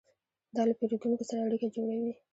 دا له پیرودونکو سره اړیکه جوړوي.